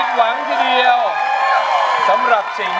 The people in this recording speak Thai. อยากเจอคนจริงใจมีไม่แถวนี้อยากเจอคนดีเท่านี้มีไม่เอ่อ